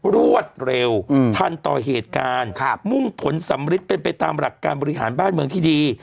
รวดเร็วทันต่อเหตุการณ์มุ่งผลสำริดเป็นไปตามหลักการบริหารบ้านเมืองที่ดี